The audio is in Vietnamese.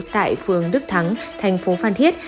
tại phương đức thắng thành phố phan thiết